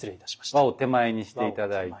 輪を手前にして頂いて。